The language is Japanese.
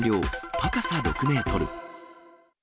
高さ６メートル。